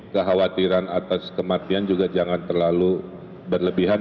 kekhawatiran atas kematian juga jangan terlalu berlebihan